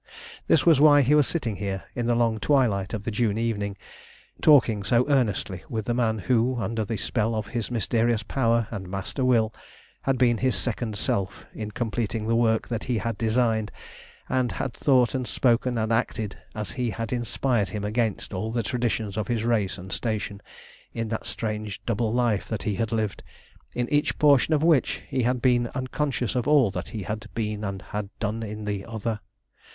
This was why he was sitting here, in the long twilight of the June evening, talking so earnestly with the man who, under the spell of his mysterious power and master will, had been his second self in completing the work that he had designed, and had thought and spoken and acted as he had inspired him against all the traditions of his race and station, in that strange double life that he had lived, in each portion of which he had been unconscious of all that he had been and had done in the other.